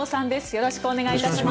よろしくお願いします。